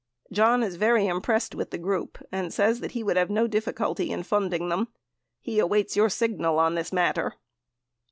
John is very impressed with this group and says that he would have no difficulty in funding them. He awaits your signal on this matter.